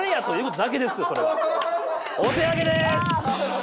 お手上げでーす！